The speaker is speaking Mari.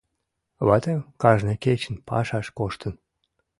Ватем кажне кечын пашаш коштын.